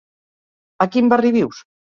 A quin barri vius?